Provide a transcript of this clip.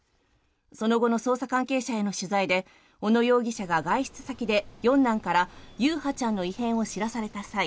その後の捜査関係者への取材で小野容疑者が外出先で４男から優陽ちゃんの異変を知らされた際